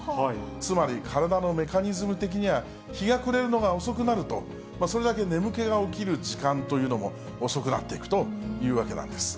つまり体のメカニズム的には、日が暮れるのが遅くなると、それだけ眠気が起きる時間というのも遅くなっていくというわけなんです。